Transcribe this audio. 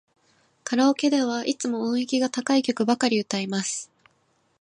カラオケではいつも音域が高い曲ばかり歌います。